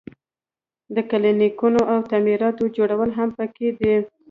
د کلینیکونو او تعمیراتو جوړول هم پکې دي.